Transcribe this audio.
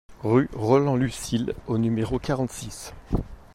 Rue Roland Lucile au numéro quarante-six